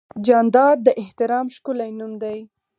جانداد د احترام ښکلی نوم دی.